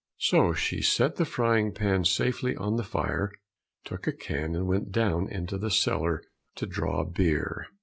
So she set the frying pan safely on the fire, took a can, and went down into the cellar to draw beer.